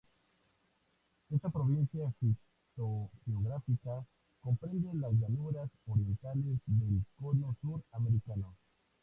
Esta Provincia fitogeográfica comprende las llanuras orientales del Cono Sur americano.